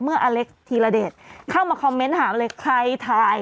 อเล็กธีรเดชเข้ามาคอมเมนต์หาเลยใครถ่าย